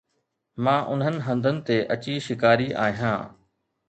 مان انهن هنڌن تي اچي شڪاري آهيان